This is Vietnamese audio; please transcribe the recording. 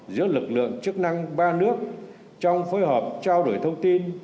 giữa lực lượng chức năng ba nước trong phối hợp trao đổi thông tin